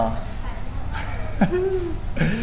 ได้ครับ